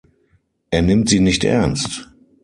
Er nimmt sie nicht ernst!